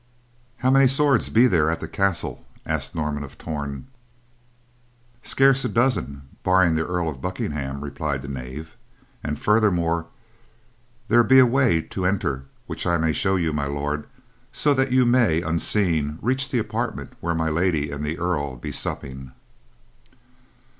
"How many swords be there at the castle?" asked Norman of Torn. "Scarce a dozen, barring the Earl of Buckingham," replied the knave; "and, furthermore, there be a way to enter, which I may show you, My Lord, so that you may, unseen, reach the apartment where My Lady and the Earl be supping."